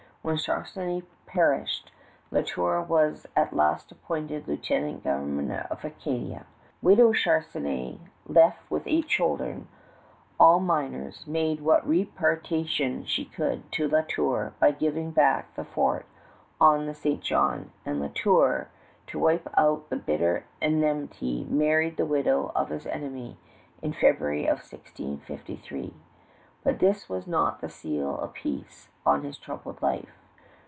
When Charnisay perished, La Tour was at last appointed lieutenant governor of Acadia. Widow Charnisay, left with eight children, all minors, made what reparation she could to La Tour by giving back the fort on the St. John, and La Tour, to wipe out the bitter enmity, married the widow of his enemy in February of 1653. But this was not the seal of peace on his troubled life.